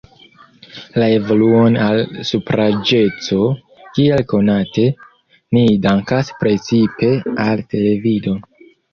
La evoluon al supraĵeco, kiel konate, ni dankas precipe al televido.